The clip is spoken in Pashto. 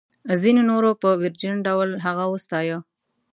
ځینو نورو په ویرجن ډول هغه وستایه.